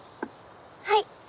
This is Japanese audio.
はい。